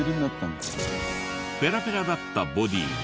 ペラペラだったボディーが。